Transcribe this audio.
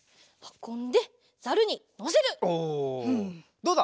どうだ？